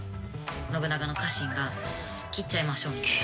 信長の家臣が「斬っちゃいましょう！」みたいな。